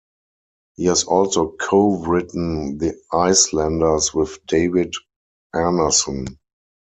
He has also co-written "The Icelanders" with David Arnason.